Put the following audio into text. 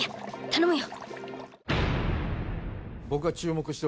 頼むよ。